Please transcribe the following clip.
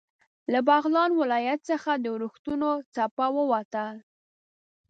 له بغلان ولایت څخه د اورښتونو څپه ووتل.